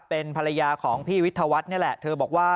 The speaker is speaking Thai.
เป็นภรรยาของพี่วิทยาวัฒน์นี่แหละเธอบอกว่า